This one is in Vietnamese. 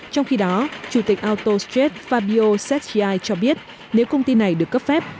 trong khi đó chủ tịch autostrade fabio sestriai cho biết nếu công ty này được cấp phép